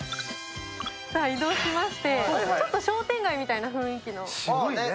移動しまして、ちょっと商店街みたいな雰囲気の。